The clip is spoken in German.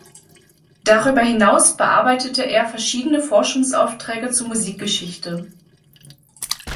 Darüber hinaus bearbeitete er verschiedene Forschungsaufträge zur Musikgeschichte.